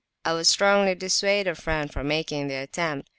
I would strongly dissuade a friend from making the attempt.